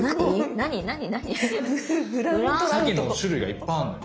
サケの種類がいっぱあんの。